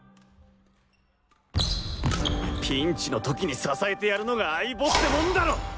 ピンチの時に支えてやるのが相棒ってもんだろう！